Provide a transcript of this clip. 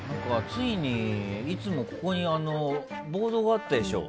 ついに、いつもここにボードがあったでしょ？